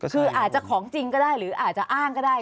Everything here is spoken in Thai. คืออาจจะของจริงก็ได้หรืออาจจะอ้างก็ได้